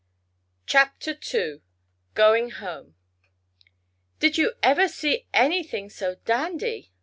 CHAPTER II GOING HOME "Did you ever see anything so dandy?"